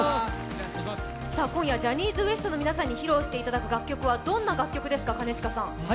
今夜、ジャニーズＷＥＳＴの皆さんに披露していただくのはどんな楽曲ですか、兼近さん。